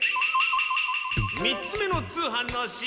３つ目の通販の品。